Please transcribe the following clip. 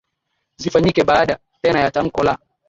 zifanyike baada tena ya tamko la